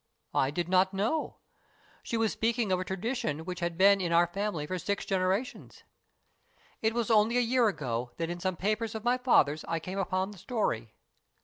I did not know. She was speaking of a tradition which had been in our family for six generations. It was only a year ago that in some papers of my father's I came upon the story.